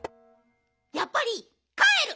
やっぱりかえる！